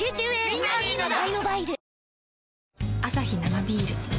アサヒ生ビール